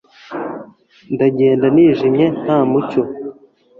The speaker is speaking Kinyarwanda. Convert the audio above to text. ndagenda nijimye, nta mucyo